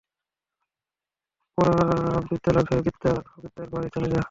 পরাবিদ্যালাভে বিদ্যা-অবিদ্যার পারে চলে যা।